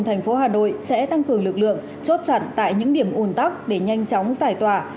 thành phố hà nội sẽ tăng cường lực lượng chốt chặn tại những điểm ùn tắc để nhanh chóng giải tỏa